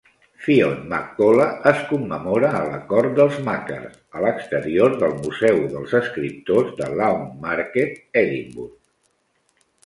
Fionn Mac Colla es commemora a la Cort dels Makars, a l'exterior del museu dels escriptors de Lawnmarket, Edinburgh.